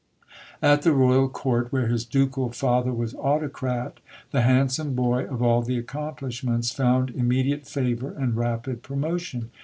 At the Royal Court, where his ducal father was autocrat, the handsome boy of all the accomplishments found immediate favour and rapid promotion.